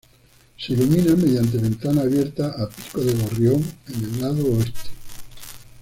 Se ilumina mediante ventana abierta ""a pico de gorrión"" en el lado oeste.